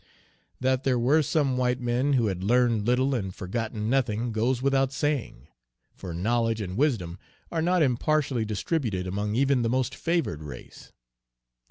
That there were some white men who had learned little and forgotten nothing goes without saying, for knowledge and wisdom are not impartially distributed among even the most favored race.